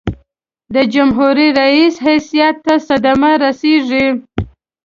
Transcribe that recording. د جمهور رئیس حیثیت ته صدمه رسيږي.